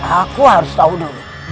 aku harus tahu dulu